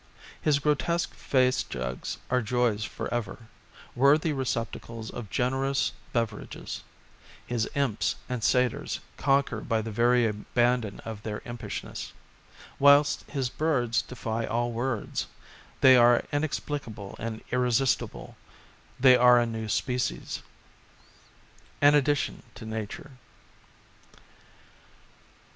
His grotesque face jugs are joys for ever, worthy receptacles of generous beverages ; his imps and satyrs conquer by the very abandon of their impishness ; whilst his birds defy all words, they are inexplicable and irresistible â€" they are a new species ; an addition to nature.